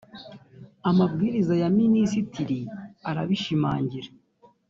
amabwiriza ya minisitiri arabishimangira